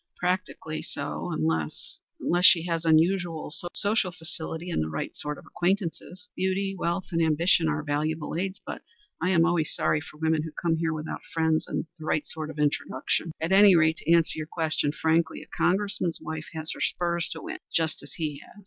"Practically so, unless unless she has unusual social facility, and the right sort of acquaintances. Beauty, wealth and ambition are valuable aids, but I always am sorry for women who come here without friends, and er the right sort of introduction. At any rate, to answer your question frankly, a Congressman's wife has her spurs to win just as he has.